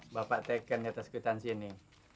bapak tekan ya tersikutan sini